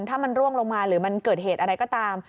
ถ้ามันร่วงลงมาหรือมันเกิดเหตุอะไรก็ตาม